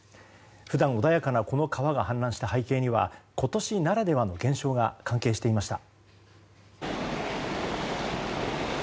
普段穏やかなこの川が氾濫した背景には今年ならではの現象が関係していました。